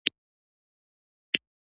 احمد په دوکاندارۍ کې ډېر ښه روان دی.